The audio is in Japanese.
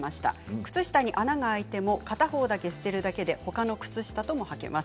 靴下に穴が開いても片方だけ捨てるだけでほかの靴下は、はけます。